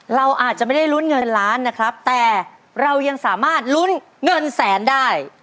เราอาจจะไม่ได้ลุ้นเงินล้านนะครับแต่เรายังสามารถลุ้นเงินแสนได้